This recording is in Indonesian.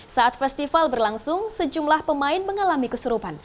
saat festival berlangsung sejumlah pemain mengalami kesurupan